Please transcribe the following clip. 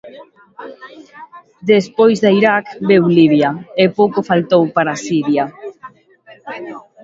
Despois de Iraq veu Libia e pouco faltou para Siria.